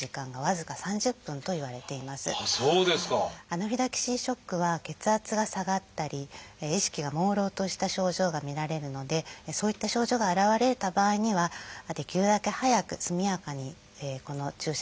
アナフィラキシーショックは血圧が下がったり意識がもうろうとした症状が見られるのでそういった症状が現れた場合にはできるだけ早く速やかにこの注射薬を打つことが重要です。